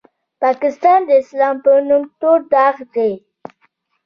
پاکستان د اسلام په نوم تور داغ دی.